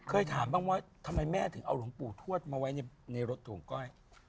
เคยถามบ้างว่าทำไมแม่ถึงเอาหลวงปู่ทวดมาไว้ในรถของก้อย